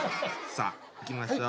さあいきましょう。